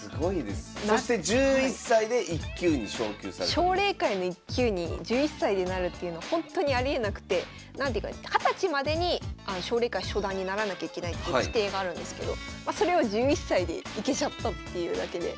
奨励会の１級に１１歳でなるっていうのはほんとにありえなくて二十歳までに奨励会初段にならなきゃいけないっていう規定があるんですけどまそれを１１歳でいけちゃったっていうわけで。